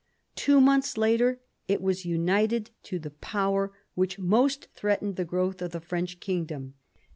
Two months later it was united to the power which most threatened the growth of the French kingdom.